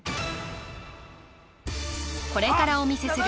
これからお見せする